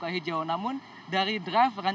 nah ini adalah pengaruh dari pt agung podomorolen